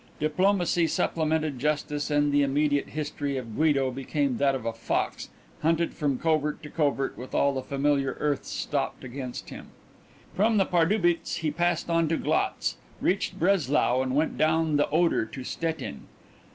Diplomacy supplemented justice and the immediate history of Guido became that of a fox hunted from covert to covert with all the familiar earths stopped against him. From Pardubitz he passed on to Glatz, reached Breslau and went down the Oder to Stettin.